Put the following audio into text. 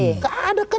tidak ada kan